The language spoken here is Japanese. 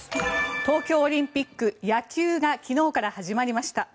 東京オリンピック野球が昨日から始まりました。